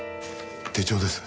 手帳です。